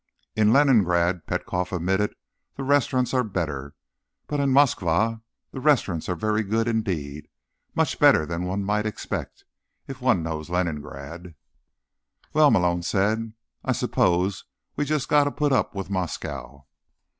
"In Leningrad," Petkoff admitted, "the restaurants are better. But in Moskva, the restaurants are very good indeed. Much better than one might expect, if one knows Leningrad." "Well," Malone said, "I suppose we've just got to put up with Moscow."